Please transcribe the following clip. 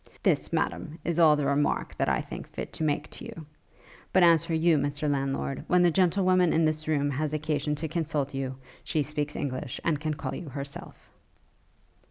This, Madam, is all the remark that I think fit to make to you. But as for you, Mr Landlord, when the gentlewoman in this room has occasion to consult you, she speaks English, and can call you herself.'